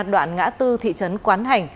đoạn ngã tư thị trấn quán hành